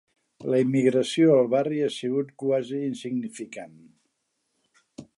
La immigració al barri ha sigut quasi insignificant.